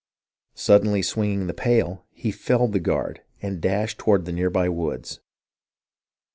Suddenly swinging the pail, he felled the guard and dashed toward the near by woods.